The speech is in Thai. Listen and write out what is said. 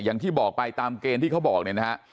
อย่างที่บอกไปตามเกณฑ์ที่เขาบอกเนี่ยนะฮะ